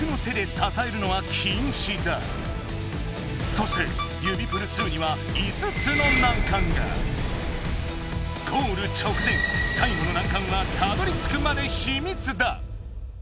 そして指プル２にはゴール直前最後の難関はたどりつくまでヒミツだ！